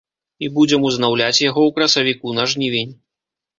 І будзем узнаўляць яго ў красавіку на жнівень.